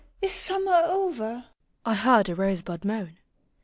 is Summer over?" I heard a rosebud moan.